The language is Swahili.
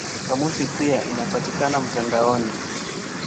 Kamusi inapatikana pia mtandaoni.